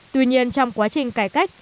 tuy nhiên trong quá trình cải cách